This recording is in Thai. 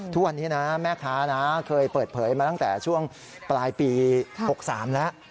ทุกวันนี้นะแม่ค้านะเคยเปิดเผยมาตั้งแต่ช่วงปลายปี๖๓แล้ว